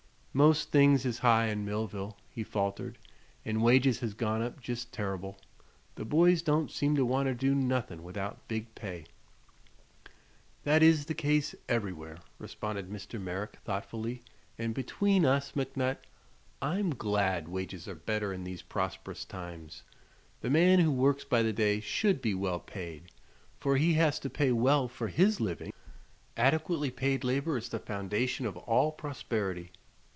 "Most things is high in Millville," he faltered, "an' wages has gone up jest terr'ble. The boys don't seem to wanter do nuthin' without big pay." "That is the case everywhere," responded Mr. Merrick, thoughtfully; "and between us, McNutt, I'm glad wages are better in these prosperous times. The man who works by the day should be well paid, for he has to pay well for his living. Adequately paid labor is the foundation of all prosperity."